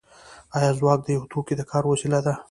آیا ځواک د یو توکي د کار وسیله ده